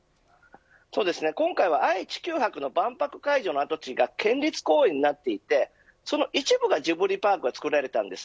そうですね、今回は愛・地球博の万博会場の跡地が県立公園になっていてその一部でジブリパークが作られました。